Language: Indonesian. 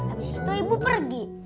abis itu ibu pergi